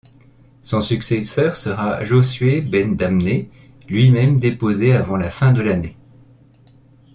Son successeur sera Josué ben Damnée, lui-même déposé avant la fin de l’année.